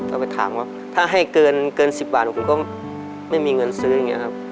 ก็ไปถามว่าถ้าให้เกิน๑๐บาทผมก็ไม่มีเงินซื้ออย่างนี้ครับ